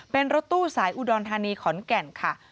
เป็นรถตู้สายอุดรธานีขอนแก่นค่ะ